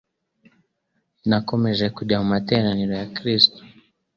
Nakomeje kujya mu materaniro ya gikristo,